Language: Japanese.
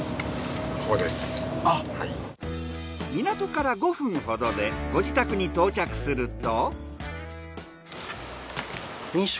港から５分ほどでご自宅に到着すると。